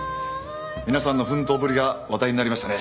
皆さんの奮闘ぶりが話題になりましたね。